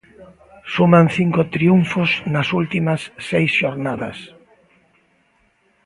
Suman cinco triunfos nas últimas seis xornadas.